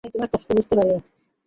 আমি তোমার কষ্ট বুঝতে পারি।